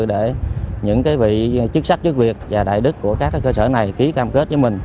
để những vị chức sắc chức việc và đại đức của các cơ sở này ký cam kết với mình